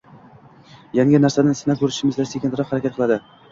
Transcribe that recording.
Yangi narsalarni sinab ko’rishda sekinroq harakat qiladi